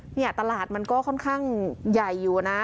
เนี่ยตลาดมันก็ค่อนข้างใหญ่อยู่นะ